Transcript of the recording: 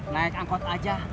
naik angkot aja